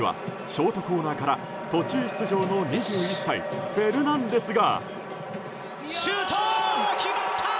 ショートコーナーから途中出場のメッシからフェルナンデスが。